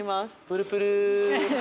プルプル